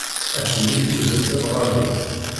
At nnif yid-s ad ɣaben.